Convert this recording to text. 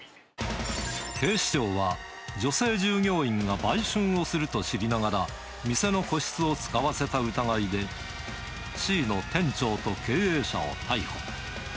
警視庁は、女性従業員が売春をすると知りながら、店の個室を使わせた疑いで、Ｃの店長と経営者を逮捕。